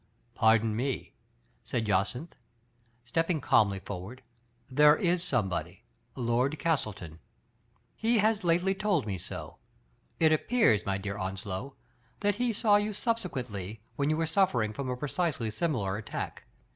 "Pardon me,*' said Jacynth, stepping calmly forward. "There is somebody — Lord Castleton. He has lately told me so. It appears, my dear Onslow, that he saw you subsequently, when you were suffering from a precisely similar attack.